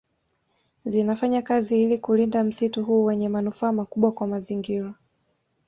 Zinafanya kazi ili kulinda msitu huu wenye manufaa makubwa kwa mazingira